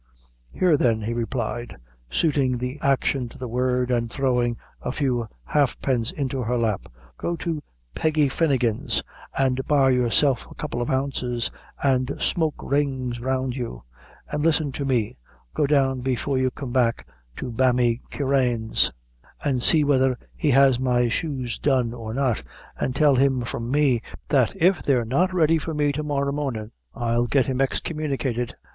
"Here then," he replied, suiting the action to the word, and throwing a few halfpence into her lap; "go to Peggy Finigan's an' buy yourself a couple of ounces, an' smoke rings round you; and listen to me, go down before you come back to Bamy Keeran's an' see whether he has my shoes done or not, an' tell him from me, that if they're not ready for me tomorrow mornin', I'll get him exkummunicated."